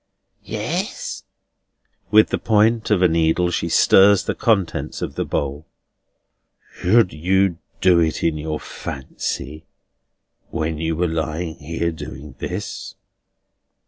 "Yes." With the point of a needle she stirs the contents of the bowl. "Should you do it in your fancy, when you were lying here doing this?"